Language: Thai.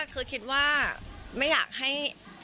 คือคิดว่าไม่อยากให้